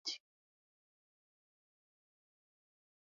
A fifth adult and the suspect were critically wounded.